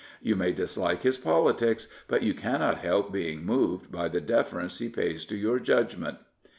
You may dislike his politics; but you cannot help being moved by the deference he pays to your judgment.